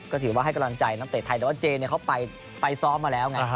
ก็ถือว่าให้กำลังใจนักเตะไทยแต่ว่าเจเขาไปซ้อมมาแล้วไง